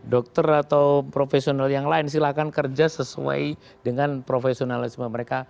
dokter atau profesional yang lain silahkan kerja sesuai dengan profesionalisme mereka